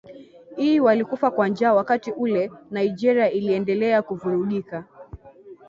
i walikufa kwa njaa wakati ule Nigeria iliendelea kuvurugika